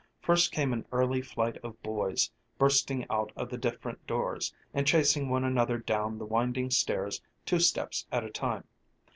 First came an early flight of boys bursting out of the different doors, and chasing one another down the winding stairs two steps at a time.